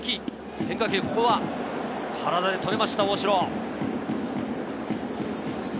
変化球、ここは体で捕りました、大城。